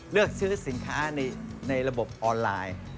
เลือกซื้อสินค้าในระบบออนไลน์